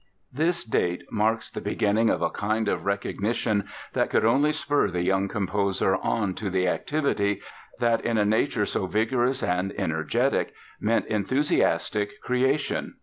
This date marks the beginning of a kind of recognition that could only spur the young composer on to the activity that in a nature so vigorous and energetic meant enthusiastic creation.